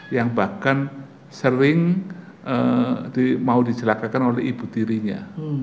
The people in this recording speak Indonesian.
yang bahkan sering mau dijelakakan oleh ibu tirinya